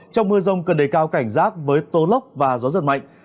trong mưa rông cần đầy cao cảnh rác với tố lốc và gió giật mạnh